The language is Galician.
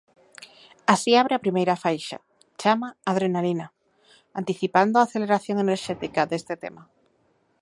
Así abre a primeira faixa, "Chama Adrenalina", anticipando a aceleración enerxética deste tema.